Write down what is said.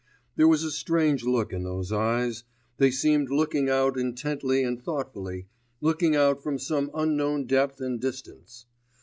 There was a strange look in those eyes; they seemed looking out intently and thoughtfully looking out from some unknown depth and distance.